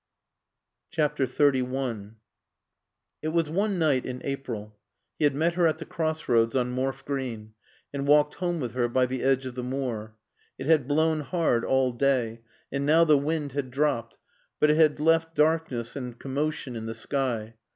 XXXI It was one night in April. He had met her at the crossroads on Morfe Green, and walked home with her by the edge of the moor. It had blown hard all day, and now the wind had dropped, but it had left darkness and commotion in the sky.